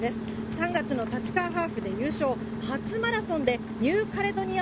３月の立川ハーフで優勝、初マラソンでニューカレドニア